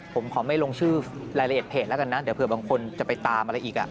ผมขอไม่ลงชื่อรายละเอียดเพจแล้วกันนะเดี๋ยวเผื่อบางคนจะไปตามอะไรอีก